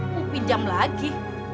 mau pinjam lagi